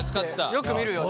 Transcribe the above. よく見るよね。